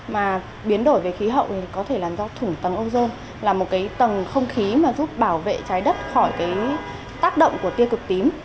mà biến đổi về khí hậu thì có thể là do thủng tầng ozone là một cái tầng không khí mà giúp bảo vệ trái đất khỏi cái tác động của tiêu cực tím